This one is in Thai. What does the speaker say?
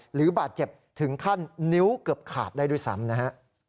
หรือบาดเจ็บถึงขั้นนิ้วเกือบขาดได้ด้วยซ้ำนะฮะ